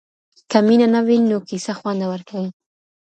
که مینه نه وي نو کیسه خوند نه ورکوي.